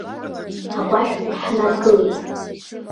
Агәашә ҳнадгылеит.